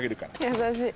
優しい。